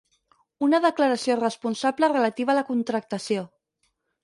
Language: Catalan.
Una declaració responsable relativa a la contractació.